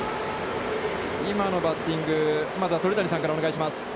今のバッティング、鳥谷さんからお願いします。